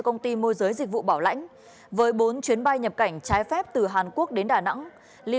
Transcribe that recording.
các cơ giới dịch vụ bảo lãnh với bốn chuyến bay nhập cảnh trái phép từ hàn quốc đến đà nẵng ly